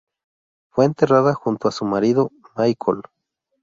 Fue enterrada junto a su marido Michael.